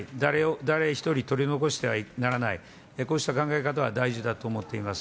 誰一人取り残してはならない、こうした考え方が大事だと思っています。